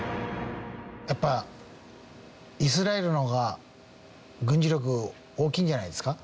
やっぱイスラエルの方が軍事力大きいんじゃないですか。